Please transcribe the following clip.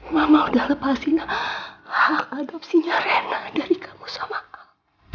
mama udah lepasin hak adaptinya rena dari kamu sama al